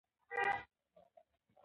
حکومت د خلکو دیني ارزښتونو ته درناوی کوي.